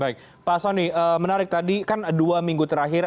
baik pak soni menarik tadi kan dua minggu terakhir